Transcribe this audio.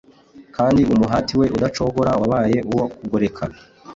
kandi umuhati we udacogora wabaye uwo kugoreka